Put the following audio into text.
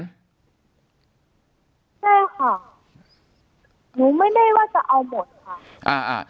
ใช่ค่ะหนูไม่ได้ว่าจะเอาหมดค่ะอ่า